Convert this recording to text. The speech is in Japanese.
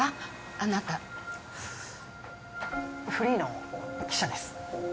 あなたフリーの記者です